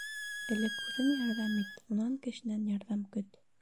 Элек үҙең ярҙам ит, унан кешенән ярҙам көт.